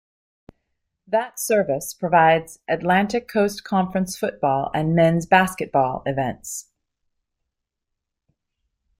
That service provides Atlantic Coast Conference football and men's basketball events.